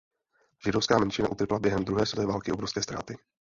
Židovská menšina utrpěla během druhé světové války obrovské ztráty.